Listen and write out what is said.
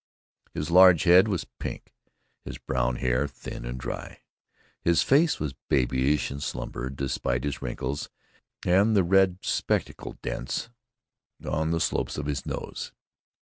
His large head was pink, his brown hair thin and dry. His face was babyish in slumber, despite his wrinkles and the red spectacle dents on the slopes of his nose.